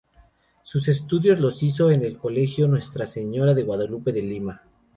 Sus estudios los hizo en el Colegio Nuestra Señora de Guadalupe del Lima.